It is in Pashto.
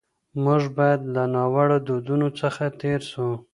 موږ باید له ناوړه دودونو څخه تېر سو.